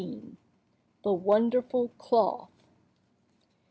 THE WONDERFUL CLOTH.